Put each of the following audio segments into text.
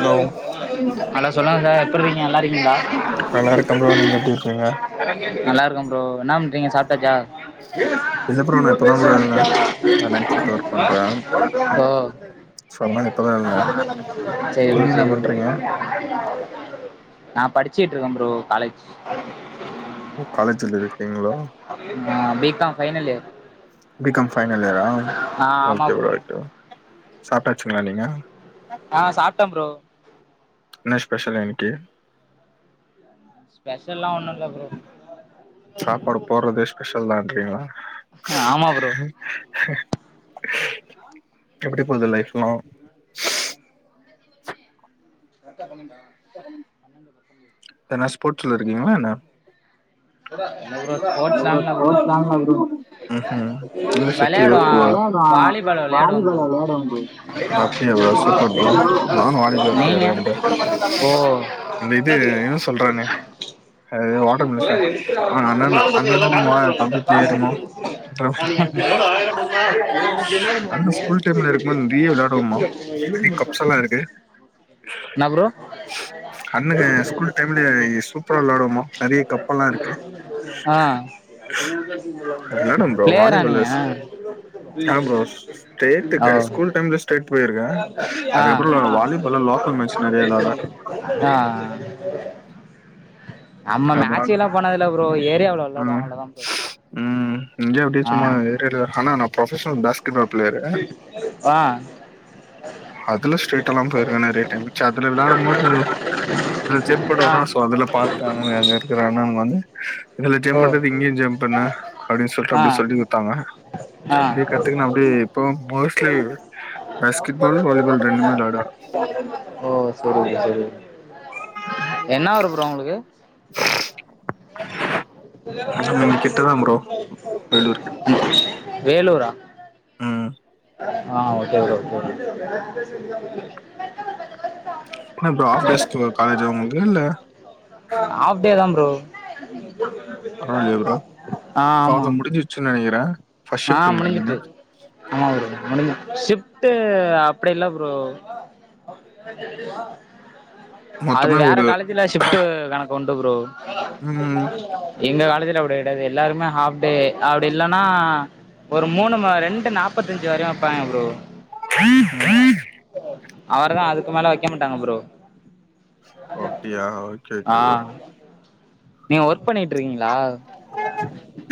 Hello hello சொல்லுங்க sir எப் இருக்கீங்க நல்லா இருக்கீங்களா நல்லா இருக்க ப்ரோ நீங்க எப்டி இருக்கீங்க நல்லா இருக்க ப்ரோ என்ன பன்றீங்க சாப்ட்டாச்சா இல்ல ப்ரோ நா இப்பதா ப்ரோ எழுந்தே நா நைட் ஷிஃப்ட் [unintelligible] சொன்ன மாரி இப்பதா எழுந்தே சேரி ப்ரோ நீங்க என்ன சேரி ப்ரோ பண்றீங்க நா படிச்சுட்டு இருக்க ப்ரோ காலேஜ் ஓ காலேஜ்ல இருக்கீங்களோ ஆ B Com final year B Com final இயரா ஆ ஆமாம் ஓகே ப்ரோ ஓகே ப்ரோ சாப்டாச்சுங்களா நீங்க ஆ சாப்ட்டே ப்ரோ என்ன ஸ்பெஷல் இன்னைக்கு ஸ்பெஷல்லா ஒன்னு இல்ல ப்ரோ சாப்பாடு போடுறதே ஸ்பெஷல் தான்றீங்களா ஆமாம் ப்ரோ எப்டி போது லைப்லா கரெக்டா பண்ணீங்களா எதனா ஸ்போர்ட்ஸ்ல இருக்கீங்களா என்ன இல்லை ப்ரோ ஸ்போர்ட்ஸ்லாம் இல்லை ப்ரோ [unintelligible] ம் ம் இ சுத்தி விளையாடுவோம் ப்ரோ நா வாலிபால் விளையாடுவோம் வாலிபால் ப்ரோ விளாடுவே ப்ரோ அப்டியா ப்ரோ சூப்பர் ப்ரோ நானு வாலிபால் பிளேயர் நீங்கள் தா ப்ரோ ஓ இந்த இது என்னவோ சொல்றானே ஒரே எக்ஸ்ட்ரா பத்தி எல்லாம் காடு போற மாட்ட தம்பி பிளேயருமா ஆயிரம் ரூபாய அண்ண [unintelligible] ஸ்கூல் சுத்திய டைம்ல போயிட்டு இருக்கும்போது நெறைய விளையாடுவோமா எப்ப எழுதி நெறைய மட்டு கப்ஸ் எல்லா இருக்கு என்னா ப்ரோ அண்ணங்க ஸ்கூல் டைம்ல சூப்பரா விளையாடுவோமா நெறைய கப்பல்லா இருக்கு ஆ விளையாடுவ ப்ரோ பிளேயரா வாலிபால் நீங்க ஆ ப்ரோ ஓ ஸ்டேட்கு ஸ்கூல் டைம்ல ஸ்டேட் போய் இருக்க ஆ அதுக்கப்பறோ வாலிபால்ல லோக்கல் மேட்ச் நெறயா விளாட ஆ நம்ம அதனால மேட்சிகு எல்லா போனதுல்ல ப்ரோ ஏரியாவுள வெளாடுவோ ம் அவ்ளோதா ப்ரோ ம் இங்க அப்டி ஆ சும்மா ஏரிய ஆனா நா ப்ரொபஷனல் பேஸ்கெட் பால் பிளேயரு ஆ அதுல ஸ்டேட்ல்லா போயிருக்கே நெறைய டைம்ச்சு அதுல விளாடும் போது அதுல ஜம்ப் ஆ பண்ணுவானா சோ அதுல பாத்தாங்கன்னு அங்க இருக்கற ஆனா வந்து இதுல ஜம்ப் ஓ பண்றது இங்கேயு ஜம் பண்ணு அப்படின்னு சொல்லிட்டு ஆ அப்டி சொல்லி குடுத்தாங்க சோ ஆ அப்டி கத்துக்கணு அப்டி இப்போ மோஸ்ட்லி பாஸ்கெட் பால் வாலிபால் ரெண்டுமே விளாடுவே [unintelligible] ஓ செரி செரி என்னா ஊரு ப்ரோ உங்களுக்கு நம்ம இங்க கிட்டதா ப்ரோ வேலூர் கிட்ட வேலூரா ம் ஆ ஓகே ப்ரோ ஓகே ப்ரோ என்ன ப்ரோ ஆஃப் டே ஸ் காலேஜா உங்களுக்கு இல்ல ஆஃப் டே தா ப்ரோ ஆ ஆமா சு நெனைக்கிற ஆ முடிஞ்சிட்டு ஆமா ப்ரோ முடிஞ்சி ஷிஃப்ட்டு அப்டில்ல ப்ரோ அது மொத்தமா வேற ஒரு காலேஜ்ல ஷிஃப் டு கணக்கு உண்டு ப்ரோ ம் எங்க காலேஜ்ல அப்டி கெடயாது எல்லாருமே ஹாஃப்டே அப்டி இல்லனா ஒரு மூணு ம ரெண்டு நாப்பத்தஞ்சு வரையு வெப்பாய்ங்க ப்ரோ [inaudible] அவரு தா அதுக்கு மேல வெக்க மாட்டாங்க ப்ரோ ஓ அப்டியா ஓகே ஆ ஓகே ப்ரோ நீங்க ஒர்க் பண்ணிட்ருக்கீங்ளா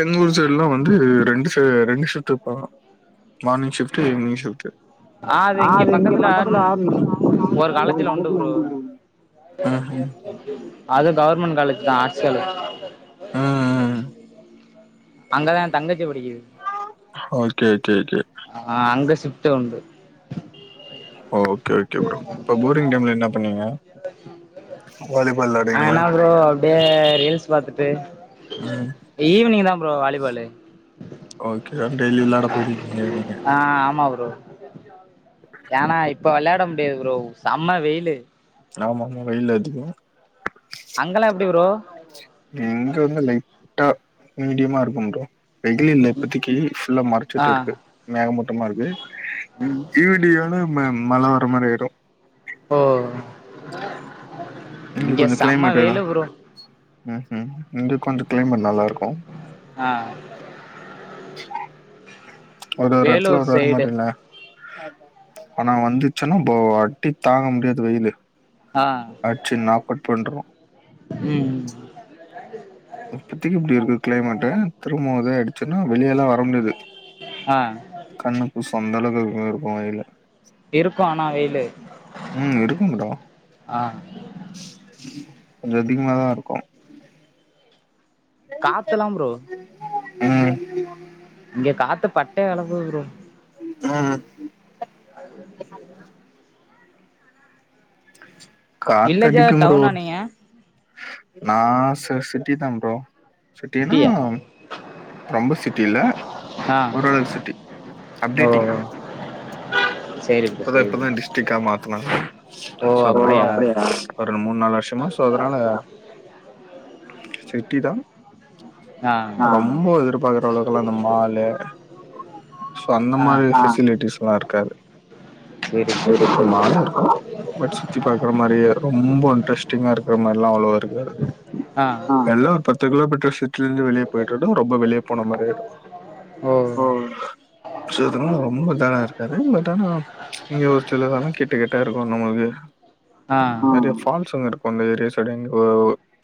எங்க ஊர் சைட்லா வந்து ரெண்டு செ ரெண்டு ஷிஃப்ட் வெப்பாங்க மார்னிங் ஷிஃப்ட்டு ஈவ்னிங் ஷிஃப்ட்டு அ அது இங்க பக்கத்துல ம் ஆரணும் ஒரு காலேஜ்ல உண்டு ப்ரோ ம் ம் [unintelligible] அது கவ்ர்மெண்ட் காலேஜ் தா ஆட்ஸ் காலேஜு ம் அங்கதா எ தங்கச்சி படிக்கிது ஓகே கே கே ஆ அங்க ஷிஃப்ட்டு உண்டு ஓ [unintelligible] வாலிபாலு நா என்ன ப்ரோ அப்டியே ரீல்ஸ் பாத்துட்டு ம் ஈவினிங் தா ப்ரோ வாலிபாலு ஓகே அ டெய்லியு விளாட போய்டுவீங்க ஈவ்னிங்கு ஆ ஆமா ப்ரோ ஏனா இப்ப வெளாட முடியாது ப்ரோ செம்ம வெய்லு ஆமா ஆமா வெய்லு அதிகோ அங்கெல்லா எப்டி ப்ரோ இங்க வந்து லைட்டா மீடியமா இருக்கு ப்ரோ நெகிழ் இல்ல இப்பத்திக்கு ஃபுல்லா ஆ மறச்சிட்டுருக்கு மேகமூட்டமா இருக்கு ம் ஈவ்னிங் ஆனா ம மழ வர மாரி ஆய்ரு ஓ இங்க கொஞ்ச செம்ம க்ளைமேட் எலா வெயிலு ப்ரோ ம் ம் இங்க கொஞ்ச க்ளைமேட் நல்லாருக்கு ஆ ஒரு ஒரு எட்த்துல வேலூர் ஒரு ஒரு சைடு மாரில்ல ஆனா வந்துச்சுர்ன்னா போ அடி தாங்க முடியாது வெயிலு ஆ அட்ச்சு நாக் அவ்ட் பண்ரு ம் இப்பத்திக்கு இப்டி இருக்குது க்ளைமேட்டு திரும்பவு அதே அடிச்சுன்னா வெளியல்லா வர முடியாது ஆ கண்ணு கூஸு அந்தளவுக்கு இருக்கு இருக்கு வெய்லு இருக்கு ஆனா வெய்லு ம் இருக்கு ப்ரோ கொஞ்ச அதிகமாதா இருக்கு காத்தெல்லா ப்ரோ ம் இங்க காத்து பட்டைய கெளப்புது ப்ரோ ம் வில்லேஜா காத்தடிக்கு ப்ரோ டவுனா நீங்க நா ச சிட்டி தா ப்ரோ சிட்டினா சிட்டியா ரொம்ப சிட்டி இல்ல ஆ ஓரளவு சிட்டி ஓ அப்டேட்டிங் சேரி ப்ரோ இப்பதா சேரி இப்பதா ப்ரோ டிஸ்டிரிக்கா மாத்துனாங்க ஓ ஸோ அப்டியா கிட்டத்தட்ட ஒரு ரெண்டு மூணு நாலு வருஷமா சோ அதனால சிட்டி தா ஆ ரொம்ப எதிர்பாக்குற அளவுக்கெல்லா இந்த மாலு சோ அந்த ஆ மாரி ஃபெசிலிட்டீஸ் லா இருக்காது சேரி ப்ரோ சேரி. இருக்குமாலு இருக்கு பட் சுத்தி பாக்குற மாரியே ரொம்ப இன்ட்ரெஸ்ட்டிங்கா இருக்கிற மார்லா அவ்ளோவா இருக்காது ஆ எல்லா ஒரு பத் து கிலோமீட்டர் சிட்டில இருந்து வெளிய போய்டோனா ரொம்ப வெளிய போன மாரி ஓ ஆயிரு செரி ரொம்ப தானா இருக்காது பட் பட் ஆனா இங்க ஒரு சிலதுலா கிட்ட கிட்ட இருக்கு நமக்கு ஆ கட்டய ஃபால்ஸ் ஒன்னு இருக் ஒங்க ஏரியா சைடு ங் ஓ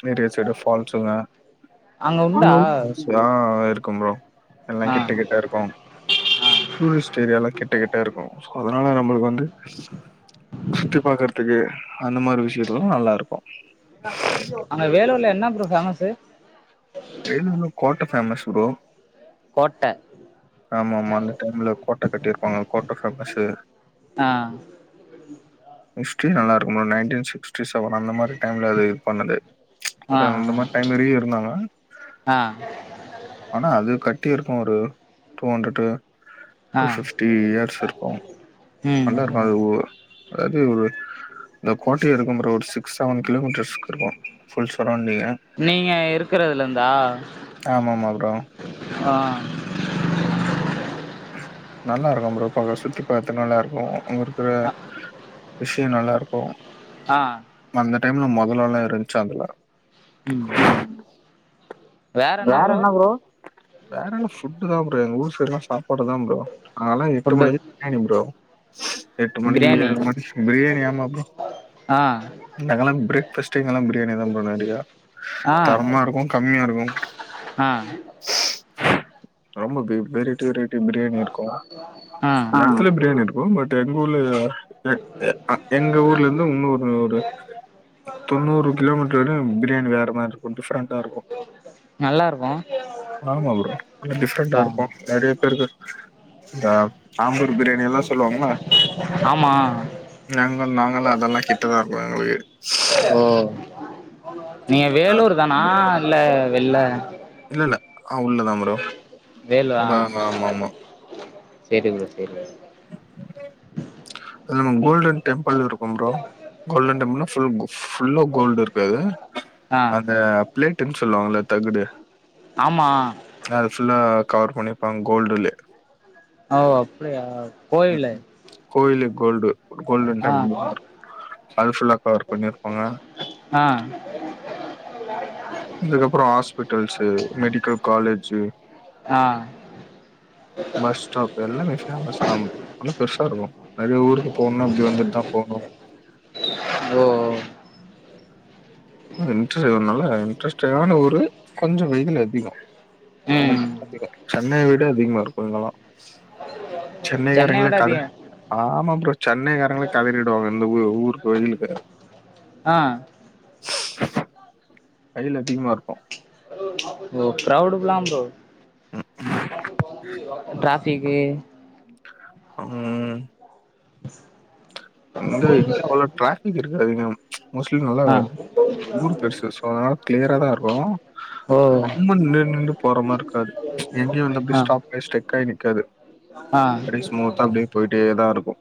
எங்க ஏரியா சைடு ஃபால்ஸ் சுங்க அங்க ஆனாலு உண்டா ஒன்சு ஆ இருக்கு ப்ரோ எல்லா ஆ கிட்ட கிட் ட இருக்கு ஆ ட்டூரிஸ்ட்டு ஏரியாலா கிட்ட கிட்ட இருக்கு சோ அதனால நம் நம்மளுக்கு வந்து சுத்தி பாக்குறதுக்கு அந்த மாரி விஷயத்லா நல்லா இருக்கு அங்க வேலூர்ல என்ன ப்ரோ ஃபேமஸு வேலூர்ல கோட்ட ஃபேமஸ் ப்ரோ கோட்ட ஆமா ஆமா அந்த டைம்ல கோட்ட கட்டியிருப்பாங்க கோட்ட ஃபேமஸு ஆ ஹிஸ்ட்ரி நல்லாக்கு ப்ரோ நைன்டீன் சிக்ஸ்டி செவன் அந்த மாரி டைம்ல அது இது பண்ணது ஆ அதா அந்த மாரி டைம் வரையு இருந்தாங்கா அ ஆனா அது கட்டி இருக்கு ஒரு டூ ஹண்ட்ரடு டூ ஆ ஃபிஃப்டி இயர்ஸ் இருக்கு ம் நல்லா இருக்கு அது ஓ அது ஒரு இந்த கோட்டயே இருக்கு ப்ரோ ஒரு சிக்ஸ் செவன் கிலோமீட்டர்ஸ்க்கு இருக்கு ஃபுல் சரௌண்டிங்கு நீங்க இருக்குறதுல இருந்தா அப்றோ ஆ நல்லா இருக்கு ப்ரோ பாக்க சுத்தி பாத்து நல்லா இருக்கு அங்குரு அ விஷ்யோ நல்லாருக்கு அ அந்த டைம்ல மொதலலா இருந்துச்சா அதுல ம் வேற என்ன ப்ரோ வேற என்ன ஃபுட்டு தா ப்ரோ எங்க ஊரு சைட்லா சாப்பாடு தா ப்ரோ அதலா எட்டு ஃபுட்டு மணிக்கே பிரியாணி ப்ரோ எட்டு மணி பிரியாணி ஏழு மணி பிரியாணி ஆமா ப்ரோ ஆ நாங்கல்லா பிரேக் ஃபாஸ்ட்டே இங்கெல்லா பிரியாணி தா ப்ரோ நெறையா ஆ தரமா இருக்கு கம்மியா இருக்கு ஆ ஆமா வெரைட்டி வெரைட் டி பிரியாணி இருக்கு ஆ எட்த்துல பிரியாணி இருக்கு பட் எங்க ஊர்ல ஆ எங்க ஊர்ல இருந்து இன்னோரு ஊரு தொண்ணூறு கிலோமீட்டர் வரையு பிரியாணி வேற மாரி இருக்கு டிஃப்ரெண்டா இருக்கு நல்லாருக்கு ஆமா ப்ரோ கொஞ்சோ டிஃப்ரெண்டா இருக்கு நெறைய பேருக்கு இந்த ஆம்பூர் பிரியாணிலா சொல்லுவாங்கள ஆமா நாங்கள் நாங்கள்லா அதெல்லா கிட்டதா இருக்கோ எங்க வீடு ஓ நீங்க ஆ வேலூர் தானா இல்ல வெள்ல இல்லல்ல ஆ உள்ளதா ப்ரோ ப ஆமாமா செரி ப்ரோ செரி அதுவு கோல்டன் டெம்பிள்னு இருக் கும் ப்ரோ கோல்டன் டெம்பிள்னா ஃபுல் ஃபுல்லா கோல்டு இருக்காது ஆ அந்த பிளேட்டுன் சொல்லுவாங்கள தகுடு ஆமா அது ஃபுல்லா கவர் பண்ணிருப்பாங்க கோல்டுலே ஓ அப்டியா கோயிலு கோயிலு கோல்டு கோல்டன் ஆ டெம்பிள்னுருக் அது ஃபுல்லா கவர் பண்ணிருப்பாங்க ஆ அதுக்கப்பறோ ஹாஸ்பிட்டல்ஸு மெடிக்கல் காலேஜு ஆ பஸ்ஸ்டாப் எல்லாமே ஃபேமஸ் தா நல்லா பெருசா இருக்கு நெறைய ஊருக்கு போணுனா இப்டி வந்துட்டுதா போணு ஓ இன்ட்ரனால இன்ட்ரெஸ்டான ஊரு கொஞ்சோ வெயிலு அதிகோ ஆமா ம் ப்ரோ அதிகம் சென்னைய விட அதிகமா இருக்கு இங்கெல்லா சென்னை சென்னைக்காரங்களே விட அதிகோ கதறி ஆமா ப்ரோ சென்னைக்காரங்களே கதறிடுவாங்க இந்த ஊ ஊருக்கு வெயிலுக்கு ஆ வெயிலு அதிகமா இருக்கு ஓ க்ரவுடுக்லா ப்ரோ ம் டிராஃபிக்கு ம் எங்க இங்க அவ்ளோ டிராஃபிக் இருக்காதுங்க மோஸ்ட்லி நல்லா ஆ ஊரு பெருசு சோ அதனால கிளியராதா ஓ இருக்கு ரொம்ப நின்னு நின்னு போற மாரி இருக்காது எங்கியு வந்து அப்டி ஆ ஸ்டாப் ஸ்டெக்காகி நிக்காது ஆ அப்டி ஸ்மூத்தாக அப்டியே போயிட்டேதா இருக்கு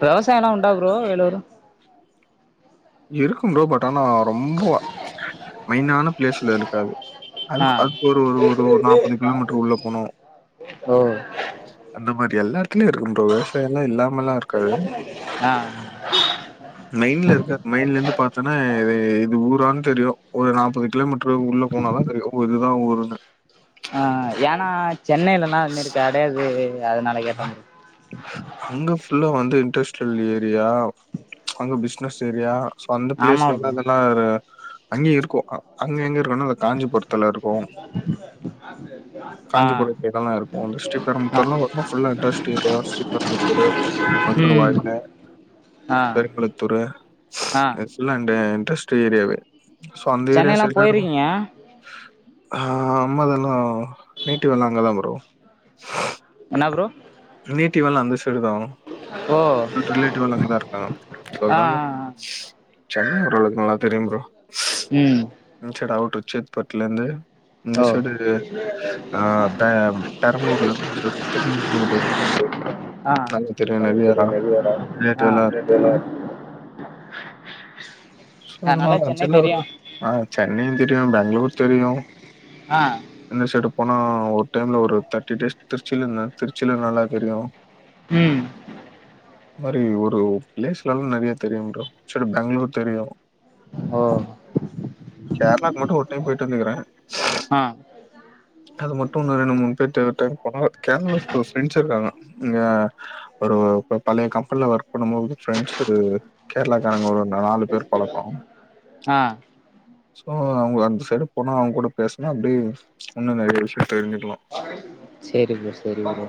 விவசாயோல்லா உண்டா ப்ரோ வேலூரு இருக்கு ப்ரோ பட் ஆனா ரொம்ப மெய்னான பிளேஸ்ல இருக்காது ஆ அதுக் அதுக்கு ஒரு ஒரு ஒரு நாப்பது கிலோமீட்டர் உள்ள போனு ஓ அந்த மாரி எல்லாத்துலயு இருக்கு ப்ரோ விவசாயோல்லா இல்லாமல்லா இருக்காது ஆ மெய்ன்ல இருக்கா மெயின்ல இருந்து பாத்தன்னா இது இது ஊரான் தெரியு ஒரு நாப்பது கிலோமீட்ரு உள்ள போனாதா தெரியு ஓ இதுதா ஊருன்னு ஆ ஏனா சென்னைலல்லா அது மாரி கெடயாது அதனால கேட்டே ப்ரோ அங்க ஃபுல்லா வந்து இண்டஸ்ட்ரியல் ஏரியா அங்க பிசினஸ் ஏரியா சோ அந்த ஆமா பிளேஸ்லல்லா ப்ரோ அதெல்லா அங்கயு இருக்கு அங்க எங்க இருக்குன்னா அந்த காஞ்சிபுரத்துல இருக்கு ஆ காஞ்சிபுரத்துல இதெல்லா இருக்கு இந்த ஆ ஸ்ரீபெரம்புத்தூர்ல்லா ஒ ம ஃபுல்லா இண்டஸ்ட் ஏரியா ஸ்ரீபெரம்புத்தூரு ம் மதுரவாயிலு ஆ பெருங்குளத்தூரு ஆ அது ஃபுல்லா இந்த இன்டஸ்ட் ஏரியாவே சோ அந்த ஏரியா சென்னைலா சைடுல்லா நம்ம போயிருக்கீங்க ஆம அதெல்லா நேட்டிவ் எல்லா அங்கதா ப்ரோ என்ன ப்ரோ நேட்டிவ் எல்லா அந்த சைடுதா ஓ ரிலேட்டிவ் எல்லா அங்கதா இருக்காங்க சோ ஆ அதனால ஆ சென்னை ஓரளவுக்கு நல்லா தெரியு ப்ரோ ம் இந்த சைடு அவுட்ரு சேத்பட்லருந்து இந்த ஓ சைடு ஆ பெ பெரம்பூர்லந்து இருந்து இந்த சைடு [unintelligible] ரோட் வரையு ஆ நல்லா ஆ தெரியு நெறையா தா ரிலேடிவ் எல்லா இருக்காங்க சோ அதனால அந்த சென்னை சைடுல்லா தெரியு வருவே ஆ சென்னையு தெரியு பேங்களூர் தெரியு ஆ இந்த சைடு போனா ஒரு டைம்ல ஒரு தேர்ட்டி டேஸ் திருச்சில இருந்தே திருச்சில நல்லா தெரியு ம் இந்த மாரி ஒரு பிளேஸ்லல்லா நெறையா தெரியு ப்ரோ இந்த சைடு பேங்களூர் தெரியு ஓ கேரளாக்கு மட்டு ஒரு டைம் போயிட்டு வந்துக்குறே ஆ அது மட்டு இன்னு ரெண்டு மூணு பேர் தேர்ட் டைம் போனா கேரளா ஃபோர்ஸ் ஃப்ரெண்ட்ஸ் இருக்காங்க இங்க ஒரு ஒரு பழைய கம்பென்ல ஒர்க் பண்ணும் போது உள்ள ஃப்ரெண்ட்ஸ் ஒரு கேரளாக்காரங்க ஒரு நாலு பேர் பழக்கோ ஆ சோ அவுங்க அந்த சைடு போனா அவுங்க கூட பேசுனா அப்டியே இன்னு நெறையா விஷயோ தெரிஞ்சிக்கலா சரி ப்ரோ சரி ப்ரோ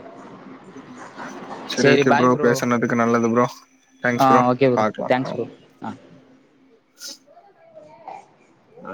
செரி சரி ஓகே ப்ரோ பாய் பேசனது க்கு நல்லது ப்ரோ தேங்க்ஸ் ஆ ப்ரோ ஓகே பாக்கலா தேங்க்ஸ் ஆ ப்ரோ ஆ ஆ